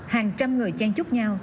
hàng trăm người trang trúc nhau